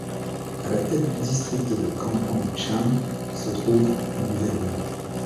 À la tête du district de Kampong Cham se trouve un gouverneur.